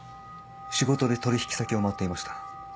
仕事で取引先を回っていました。